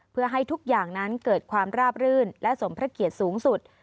เพื่อให้ทุกอย่างนั้นเกิดความราบรื่นและสมพระเกียรติสูงสุด